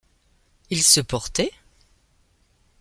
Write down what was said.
ils se portaient ?